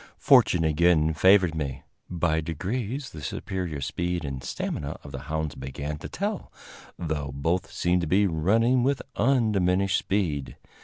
Fortune again favored me. By degrees the superior speed and stamina of the hounds began to tell, though both seemed to be running with undiminished speed.